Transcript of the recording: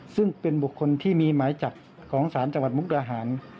ซึ่งเป็นบุคคลที่มีหมายจับของศาลจังหวัดมุกดาหาร